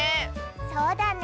そうだね。